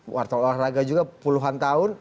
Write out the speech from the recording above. wartawan olahraga juga puluhan tahun